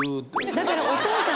だから。